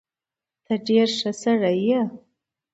ته ډېر ښه سړی یې.